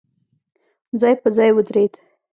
ځای په ځای ودرېد.